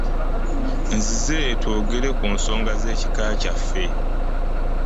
Nzize twogere ku nsonga z'ekika kyaffe.